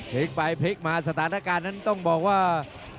พลิกไปพลิกมาสถานการณ์นั้นต้องบอกว่า